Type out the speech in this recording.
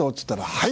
はい。